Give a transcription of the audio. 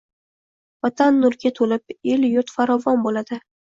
Vatan nurga to’lib, elu yurt faravon bo’ladi.